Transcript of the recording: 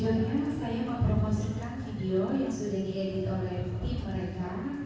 bagaimana saya mempromosikan video yang sudah diedit oleh tim mereka